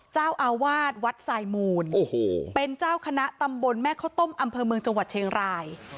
เจ้าอาวาสวัดสายมูลเป็นเจ้าคณะตำบลแม่ข้าวต้มอำเภอเมืองจังหวัดเชียงราย